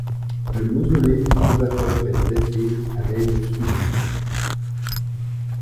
Le mausolée du fondateur est dressé à l'aile sud.